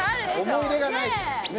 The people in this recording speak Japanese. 「思い入れがないからね」